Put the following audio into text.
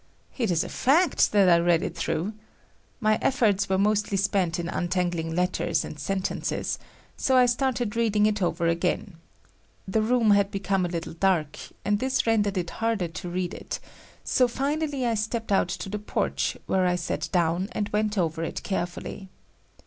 It is a fact that I read it through. My efforts were mostly spent in untangling letters and sentences; so I started reading it over again. The room had become a little dark, and this rendered it harder to read it; so finally I stepped out to the porch where I sat down and went over it carefully.